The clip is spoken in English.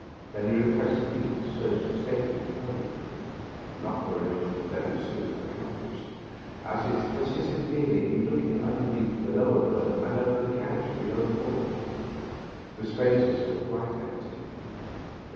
Then he requested me to search the state room thoroughly, an operation very soon accomplished, as it consisted merely in looking beneath the lower berth and under the couch below the port hole. The spaces were quite empty.